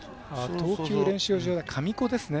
投球練習場は神子ですね。